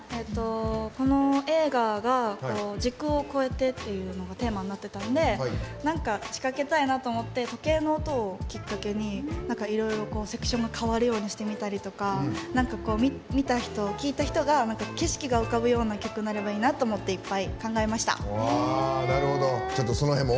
この映画が時空を超えてっていうのがテーマになってたんでなんか仕掛けたいなと思って時計の音をきっかけにいろいろセクションが変わるようにしてみたりとか見た人、聴いた人が景色が浮かぶような曲になればいいなと思っていっぱい考えました。